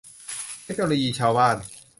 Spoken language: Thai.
เทคโนโลยีชาวบ้าน